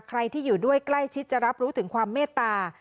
ใครที่อยู่ด้วยใกล้ชิดจะรับรู้ถึงความเมตตา